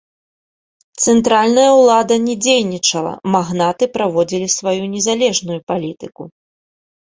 Цэнтральная ўлада не дзейнічала, магнаты праводзілі сваю незалежную палітыку.